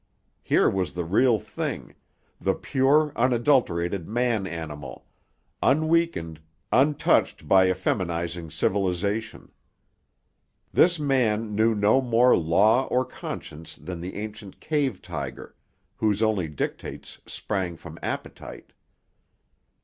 Here was the real thing, the pure, unadulterated man animal, unweakened, untouched by effeminising civilisation. This man knew no more law or conscience than the ancient cave tiger, whose only dictates sprang from appetite.